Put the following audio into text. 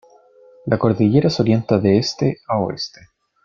La cordillera se orienta de este a oeste.